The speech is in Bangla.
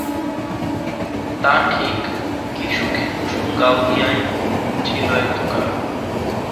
তা ঠিক, কী সুখে কুসুম গাওদিয়ায় ছিল এতকাল?